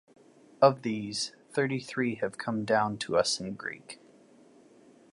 Of these, thirty-three have come down to us in Greek.